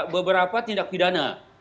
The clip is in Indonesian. beberapa tindak pidana